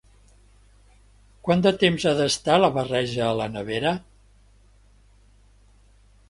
Quant de temps ha d'estar la barreja a la nevera?